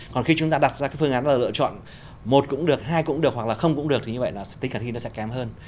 còn khi chúng ta đặt ra cái phương án là lựa chọn một cũng được hai cũng được hoặc là không cũng được thì như vậy là stec nó sẽ kém hơn